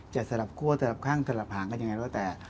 สลับคั่วสลับข้างสลับหางกันยังไงแล้วแต่